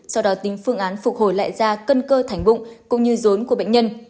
sau đó tính phương án phục hồi lại da cân cơ thành bụng cũng như rốn của bệnh nhân